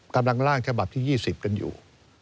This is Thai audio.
กำลังล่างฉบับที่๒๐กันอยู่